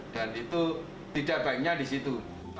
dan itu tidak baiknya di situ